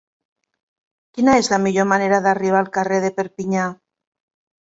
Quina és la millor manera d'arribar al carrer de Perpinyà?